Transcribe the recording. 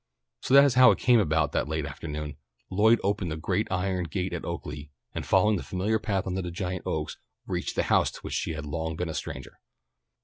So that is how it came about that late that afternoon, Lloyd opened the great iron gate at Oaklea, and, following the familiar path under the giant oaks, reached the house to which she had long been a stranger.